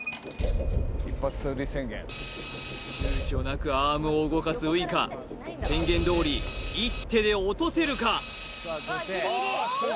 ちゅうちょなくアームを動かすウイカ宣言通り一手で落とせるか？